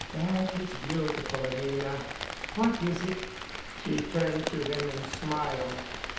"That is beautiful, Anina. What is it?" She turned to him and smiled.